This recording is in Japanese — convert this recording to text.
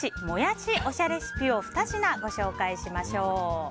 モヤシおしゃレシピを２品ご紹介しましょう。